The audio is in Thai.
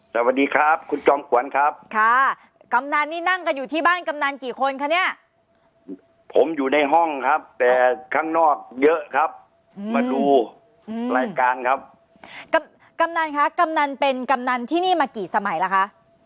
สวัสดีครับคุณจอมขวัญครับค่ะกำนันนี่นั่งกันอยู่ที่บ้านกำนันกี่คนคะเนี่ยผมอยู่ในห้องครับแต่ข้างนอกเยอะครับมาดูรายการครับกำกำนันคะกำนันเป็นกำนันที่นี่มากี่สมัยแล้วคะ